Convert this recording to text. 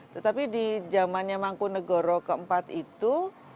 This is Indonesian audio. tetapi di zamannya mangku negoro ke empat itu